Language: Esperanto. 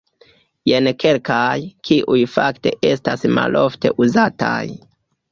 Jen kelkaj, kiuj fakte estas malofte uzataj.